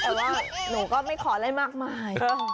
แต่ว่าหนูก็ไม่ขออะไรมากมาย